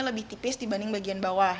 lebih tipis dibanding bagian bawah